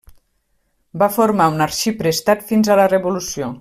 Va formar un arxiprestat fins a la revolució.